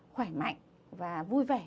khỏe mạnh và vui vẻ